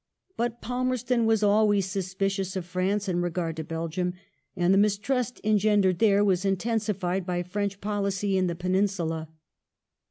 But Palmerston was always suspicious of France in regard to Belgium, and the mistrust engendered there was intensified by French policy in the Peninsula.